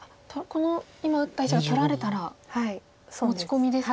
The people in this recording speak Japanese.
今打った石が取られたら持ち込みですか。